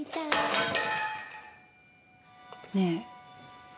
ねえ。